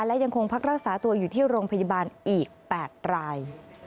และยังคงพักรักษาตัวอยู่ที่โรงพยาบาลอีก๘ราย